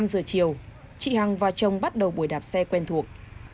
năm giờ chiều chị hằng và chồng bắt đầu buổi đạp xe quen thuộc